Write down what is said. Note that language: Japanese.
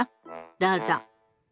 どうぞ。